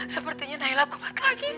sepertinya nailah kumat lagi